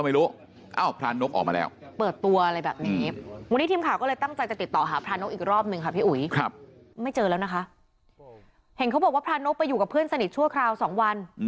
เห็นเขาบอกว่าพระนกไปอยู่กับเพื่อนสนิทชั่วคราว๒วัน